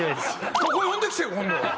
ここ呼んできてよ今度！